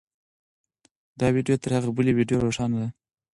دا ویډیو تر هغې بلې ویډیو روښانه ده.